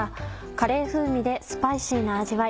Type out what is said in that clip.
カレー風味でスパイシーな味わい。